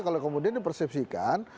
kalau kemudian di persepsikan